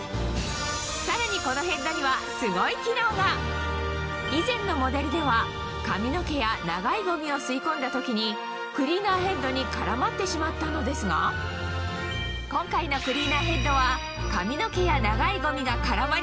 このヘッドには以前のモデルでは髪の毛や長いゴミを吸い込んだ時にクリーナーヘッドに絡まってしまったのですがその秘密は？